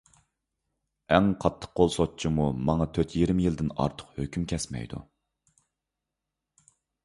ئەڭ قاتتىق قول سوتچىمۇ ماڭا تۆت يېرىم يىلدىن ئارتۇق ھۆكۈم كەسمەيدۇ.